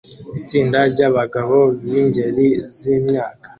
Itsinda ryabagabo bingeri zimyaka